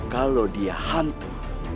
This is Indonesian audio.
kalau dia hantu